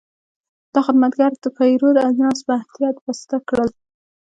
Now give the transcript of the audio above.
دا خدمتګر د پیرود اجناس په احتیاط بسته کړل.